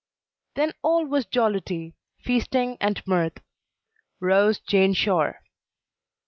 "Then all was jollity, Feasting, and mirth." ROWE'S JANE SHORE.